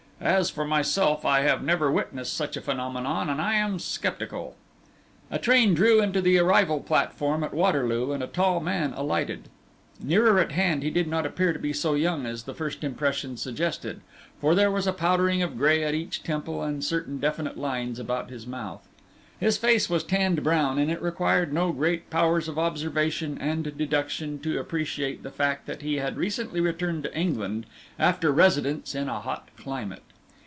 As for myself, I have never witnessed such a phenomenon, and I am sceptical." A train drew into the arrival platform at Waterloo and a tall man alighted. Nearer at hand he did not appear to be so young as the first impression suggested. For there was a powdering of grey at each temple and certain definite lines about his mouth. His face was tanned brown, and it required no great powers of observation and deduction to appreciate the fact that he had recently returned to England after residence in a hot climate.